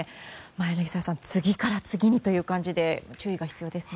柳澤さん、次から次にという感じで注意が必要ですね。